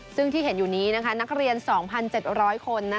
ซึ่งที่เห็นอยู่นี้นักเรียน๒๗๐๐คน